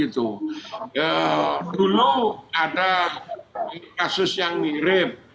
dulu ada kasus yang mirip